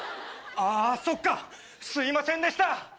あそっかすいませんでした。